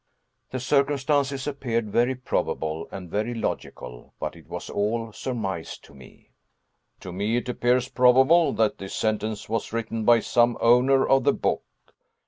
The circumstances appeared very probable and very logical, but it was all surmise to me. "To me it appears probable that this sentence was written by some owner of the book.